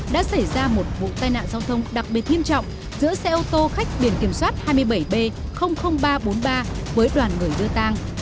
đã xảy ra một vụ tai nạn giao thông đặc biệt nghiêm trọng giữa xe ô tô khách biển kiểm soát hai mươi bảy b ba trăm bốn mươi ba với đoàn người đưa tang